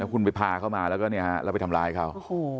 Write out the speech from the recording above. แล้วคุณไปพาเขามาแล้วไปทำร้ายเขา